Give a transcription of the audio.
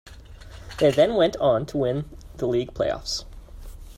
They then went on to win the league playoffs.